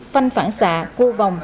phanh phản xạ cua vòng